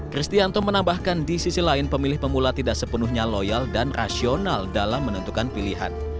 kristianto menambahkan di sisi lain pemilih pemula tidak sepenuhnya loyal dan rasional dalam menentukan pilihan